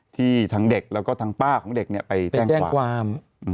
ที่ทั้งเด็กแล้วก็ทางป้าของเด็กไปแจ้งความ